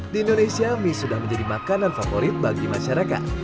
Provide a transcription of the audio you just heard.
di indonesia mie sudah menjadi makanan favorit bagi masyarakat